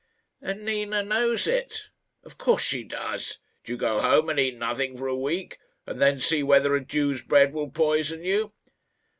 "And Nina knows it." "Of course she does. Do you go home and eat nothing for a week, and then see whether a Jew's bread will poison you."